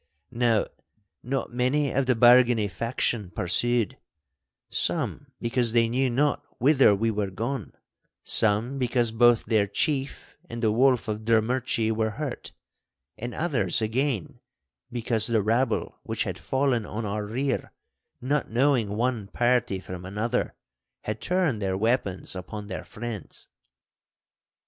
Now not many of the Bargany faction pursued; some because they knew not whither we were gone, some because both their chief and the Wolf of Drummurchie were hurt, and others again because the rabble which had fallen on our rear, not knowing one party from another, had turned their weapons upon their friends.